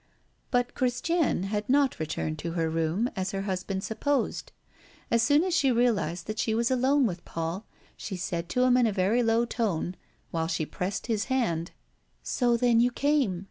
But Christiane had not returned to her room, as her husband supposed. As soon as she realized that she was alone with Paul she said to him in a very low tone, while she pressed his hand: "So then you came.